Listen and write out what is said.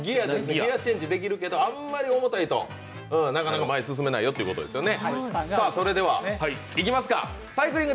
ギヤチェンジできるけど、あんまり重いとなかなか前に進めないよとうことですね。